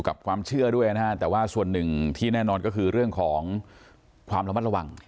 กับความเชื่อด้วยนะฮะแต่ว่าส่วนหนึ่งที่แน่นอนก็คือเรื่องของความระมัดระวัง